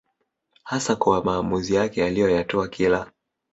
hasa kwa maamuzi yake aliyoyatoa kila